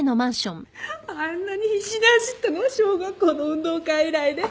あんなに必死に走ったのは小学校の運動会以来で。